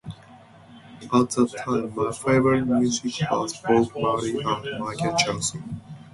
At the time, my favourite music was Bob Marley and Michael Jackson.